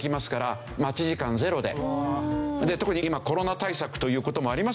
特に今コロナ対策という事もありますからね